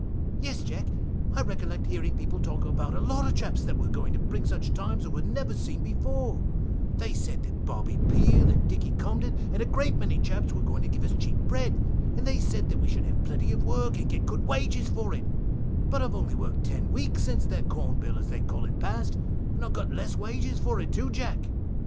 Bill. Yes, Jack, I recollect hearing people talk about a lot of chaps that wur going to bring such times as wur never seen before, they said that Bobby Peel and Dicky Cobden, and a great many chaps was going to give us cheap bread, and they said that we should have plenty of work and get good wages for it, but I've only work'd ten weeks since that corn bill as they call it past, and I got less wages for it too, Jack.